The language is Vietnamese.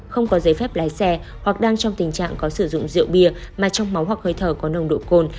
không có giấy phép lái xe hoặc đang trong tình trạng có sử dụng rượu bia mà trong máu hoặc hơi thở có nồng độ cồn